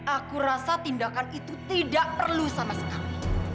aku rasa tindakan itu tidak perlu sama sekali